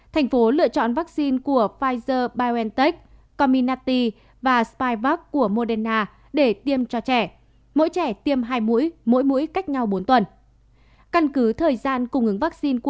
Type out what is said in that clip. tp hcm lựa chọn vaccine của pfizer biontech comirnaty và spivak của covid một mươi chín